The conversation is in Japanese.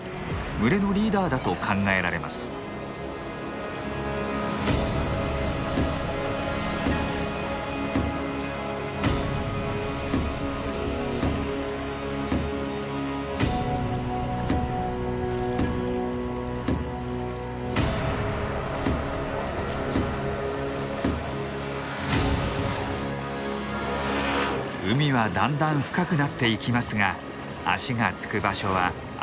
海はだんだん深くなっていきますが足がつく場所は歩いて進みます。